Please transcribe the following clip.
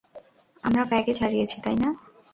আমরা প্যাকেজ হারিয়েছি, তাই না?